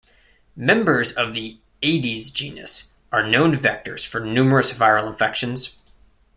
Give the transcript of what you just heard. Members of the "Aedes" genus are known vectors for numerous viral infections.